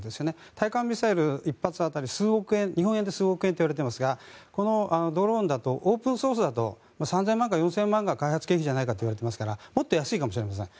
対艦ミサイル１発当たり日本円で数億円といわれていますがこのドローンだとオープンソースだと３０００万から４０００万が開発経費じゃないかといわれていますからもっと安いかもしれません。